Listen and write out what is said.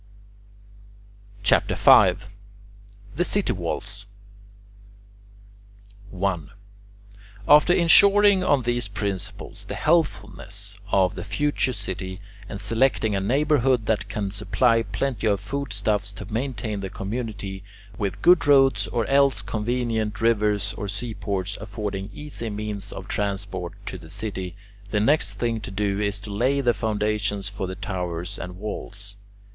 CHAPTER V THE CITY WALLS 1. After insuring on these principles the healthfulness of the future city, and selecting a neighbourhood that can supply plenty of food stuffs to maintain the community, with good roads or else convenient rivers or seaports affording easy means of transport to the city, the next thing to do is to lay the foundations for the towers and walls.